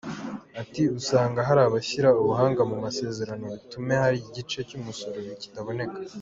Ati: “usanga hari abashyira ubuhanga mu masezerano bituma hari igice cy’umusoro kitaboneka….